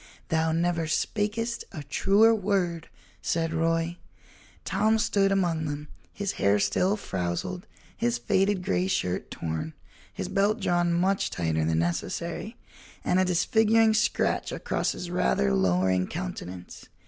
"Thou never spakest a truer word," said Roy. Tom stood among them, his hair still frowzled, his faded gray shirt torn, his belt drawn much tighter than necessary, and a disfiguring scratch across his rather lowering countenance.